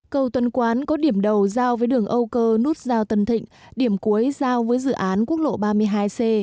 cầu tuần quán có điểm đầu giao với đường âu cơ nút giao tân thịnh điểm cuối giao với dự án quốc lộ ba mươi hai c